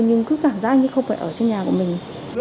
nhưng cứ cảm giác như không phải ở trong nhà của mình